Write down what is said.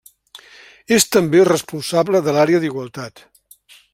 És també responsable de l'àrea d'igualtat.